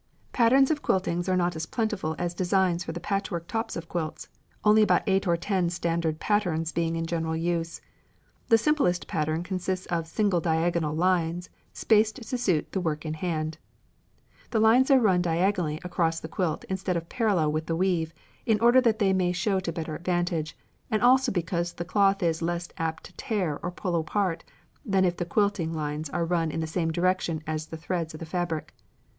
Patterns of quiltings are not as plentiful as designs for the patchwork tops of quilts; only about eight or ten standard patterns being in general use. The simplest pattern consists of "single diagonal" lines, spaced to suit the work in hand. The lines are run diagonally across the quilt instead of parallel with the weave, in order that they may show to better advantage, and also because the cloth is less apt to tear or pull apart than if the quilting lines are run in the same direction as the threads of the fabric.